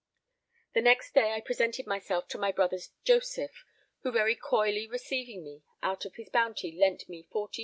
The next day I presented myself to my brother Joseph, who very coyly receiving me, out of his bounty lent me 40_s.